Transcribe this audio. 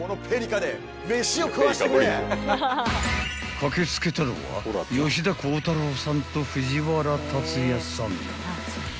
［駆け付けたのは吉田鋼太郎さんと藤原竜也さん］